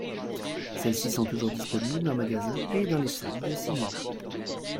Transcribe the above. Celles-ci sont toujours disponibles en magasin et dans les salles de cinéma.